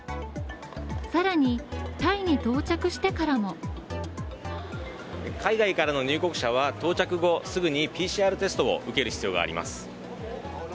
さらにタイに到着してからも海外からの入国者は到着後、すぐにＰＣＲテストを受ける必要があります。